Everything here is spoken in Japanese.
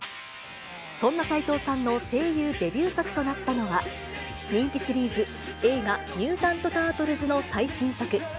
そんな齊藤さんの声優デビュー作となったのは、人気シリーズ、映画、ミュータント・タートルズの最新作。